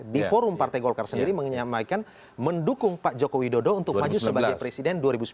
di forum partai golkar sendiri menyampaikan mendukung pak jokowi dodo untuk maju sebagai presiden dua ribu sembilan belas